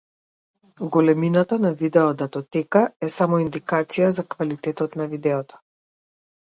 Големината на видео датотека е само индикација за квалитетот на видеото.